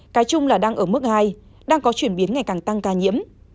cái chung là đang ở mức hai đang có chuyển biến ngày càng tăng ca nhiễm